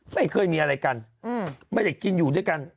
ไม่เคยมีอะไรกันไม่ได้กินอยู่ด้วยกัน